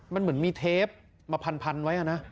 มันเหมือนมีเทปมาพันไว้นะ